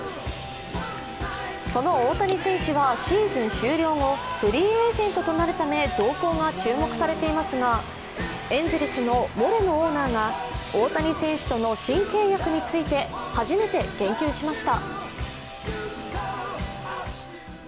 その大谷選手はシーズン終了後、フリーエージェントとなるため動向が注目されていますが、エンゼルスのモレノオーナーが大谷選手との新契約について初めて言及しました。